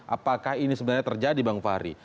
apakah ini sebenarnya terjadi bang fahri